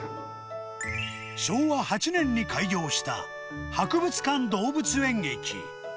昭和８年に開業した博物館動物園駅。